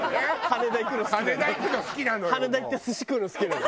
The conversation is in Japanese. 羽田行って寿司食うの好きなの。